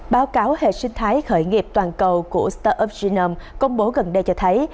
báo cáo hệ sinh thái khởi nghiệp toàn cầu của startup genome công bố gần đây cho thấy